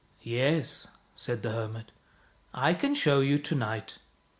"" Yes," said the hermit, " I can show you to night.